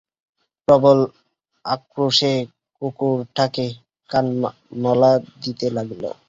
প্রবল আক্রোশে কুকুরটাকে কান-মলা দিতে লাগল।